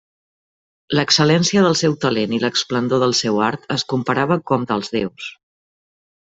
L'excel·lència del seu talent i l'esplendor del seu art es comparava com dels déus.